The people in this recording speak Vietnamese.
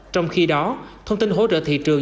trong khi đó thông tin hỗ trợ thị trường